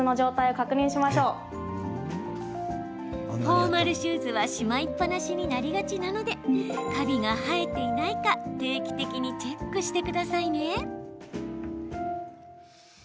フォーマルシューズはしまいっぱなしになりがちなのでカビが生えていないか定期的にチェックしてくださいね。